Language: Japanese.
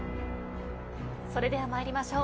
それでは参りましょう。